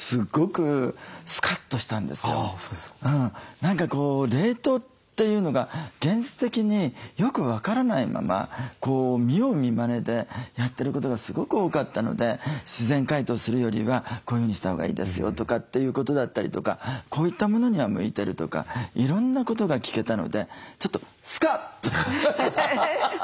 何か冷凍というのが現実的によく分からないまま見よう見まねでやってることがすごく多かったので自然解凍するよりはこういうふうにしたほうがいいですよとかっていうことだったりとかこういったものには向いてるとかいろんなことが聞けたのでちょっとちょっと気分が晴れたわ。